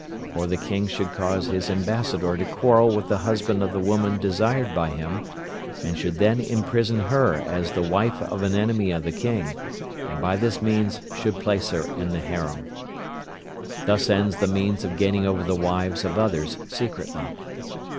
Or the King should cause his ambassador to quarrel with the husband of the woman desired by him, and should then imprison her as the wife of an enemy of the King, and by this means should place her in the harem. Thus end the means of gaining over the wives of others secretly.